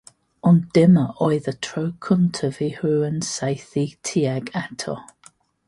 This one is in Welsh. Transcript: Ond dyma oedd y tro cyntaf i rywun saethu tuag ato.